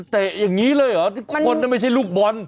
แต่อย่างนี้เลยเหรอคนนั้นไม่ใช่ลูกบอล